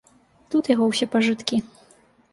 Тут яго ўсе пажыткі.